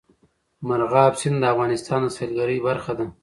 مورغاب سیند د افغانستان د سیلګرۍ برخه ده.